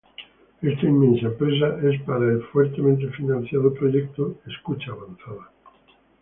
Esta inmensa empresa es para el fuertemente financiado proyecto Escucha Avanzada.